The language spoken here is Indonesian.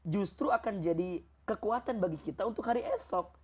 justru akan jadi kekuatan bagi kita untuk hari esok